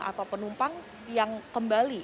atau penumpang yang kembali